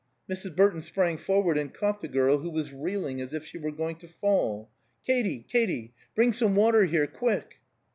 Mrs. Burton sprang forward and caught the girl, who was reeling as if she were going to fall. "Katy! Katy! Bring some water here, quick!"